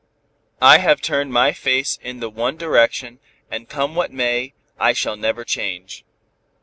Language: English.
I have turned my face in the one direction, and come what may, I shall never change."